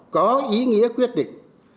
có ý nghĩa quyết định